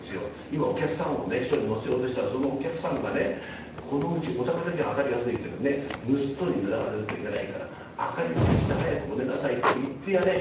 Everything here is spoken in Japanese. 今お客さんをね１人乗せようとしたらそのお客さんがね『このうちお宅だけ明かりがついてるんでぬすっとに狙われるといけないから明かりを消して早くお寝なさいと言ってやれ。